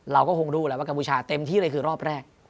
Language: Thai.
เราก็คงรู้แล้วว่ากัมพูชาเต็มที่เลยคือรอบแรก